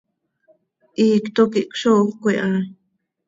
Hiicto quih czooxöc iha.